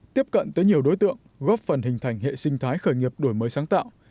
tiếp cận tới nhiều đối tượng góp phần hình thành hệ sinh thái khởi nghiệp đổi mới sáng tạo